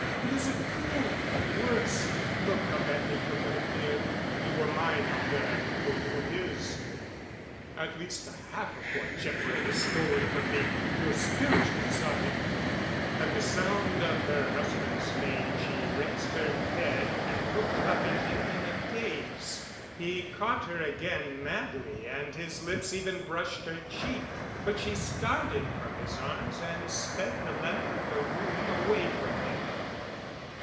I was a fool—and worse. Look up at me, Camilla, dear. You were mine out there before you were his. At least a half of what Jeff Wray has stolen from me—your spiritual side——" At the sound of her husband's name she raised her head and looked up at him in a daze. He caught her again madly, and his lips even brushed her cheek, but she started from his arms and sped the length of the room away from him.